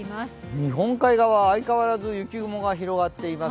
日本海側、相変わらず雪雲広がっています。